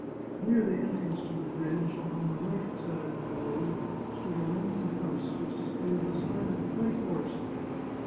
Near the entrance to the bridge and on the right hand side of the road stood a lonely house, which displayed the sign of the White Horse.